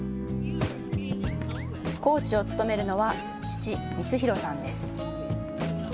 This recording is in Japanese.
コーチを務めるのは父、充弘さんです。